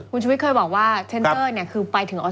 คุณชุวิตเคยบอกว่าเทนเตอร์เนี่ยคือไปถึงออส